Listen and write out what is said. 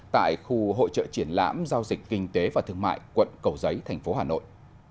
tại khu hội trợ triển lãm giao dịch kinh tế và thương mại quận cầu giấy tp hà nội